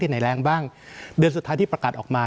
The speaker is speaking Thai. ไหนแรงบ้างเดือนสุดท้ายที่ประกาศออกมา